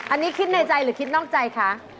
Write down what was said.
อันนี้คิดในใจหรือคิดนอกใจคะ